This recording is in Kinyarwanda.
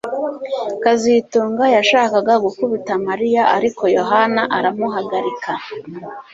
kazitunga yashakaga gukubita Mariya ariko Yohana aramuhagarika